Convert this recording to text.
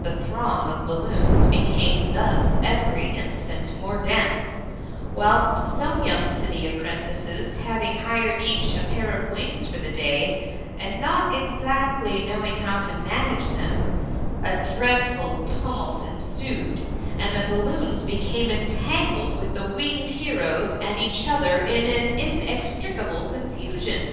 The throng of balloons became thus every instant more dense, whilst some young city apprentices having hired each a pair of wings for the day, and not exactly knowing how to manage them, a dreadful tumult ensued ; and the balloons became entangled with the winged heroes and each other in inextri cable confurion.